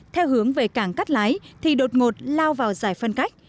theo hướng về cảng cắt lái thì đột ngột lao vào giải phân cách